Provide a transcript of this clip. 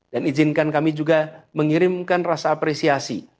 dan izinkan kami juga mengirimkan rasa apresiasi